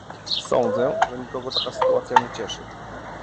Sądzę, że nikogo taka sytuacja nie cieszy